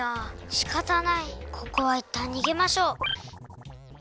しかたないここはいったんにげましょう。